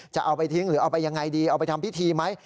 จะเอาไปทิ้งหรือเอาไปยังไงดีเอาไปทำพิธีไหม